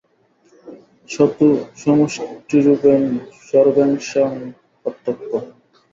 স তু সমষ্টীরূপেণ সর্বেষাং প্রত্যক্ষঃ।